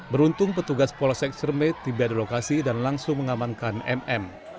beruntung petugas polosek cermet tiba di lokasi dan langsung mengamankan mm